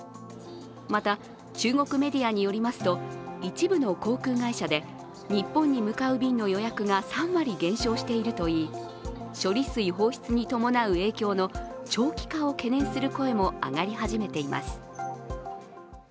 また、中国メディアによりますと、一部の航空会社で日本に向かう便の予約が３割減少しているといい処理水放出に伴う影響の長期化を懸念する声も上がり始めています。